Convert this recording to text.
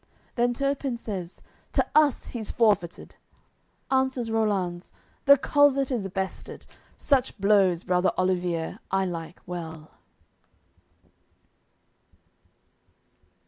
Then Turpin says "To us he's forfeited." Answers Rollanz: "The culvert is bested. Such blows, brother Olivier, I like well."